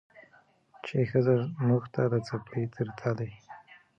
چې ښځه موږ ته د څپلۍ تر تلي